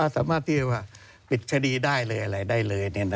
สามารถที่จะปิดคดีได้เลยอะไรได้เลย